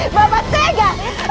bapak sudah tinggal